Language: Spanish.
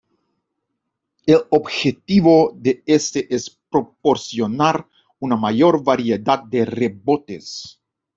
El objetivo de este es proporcionar una mayor variedad de rebotes.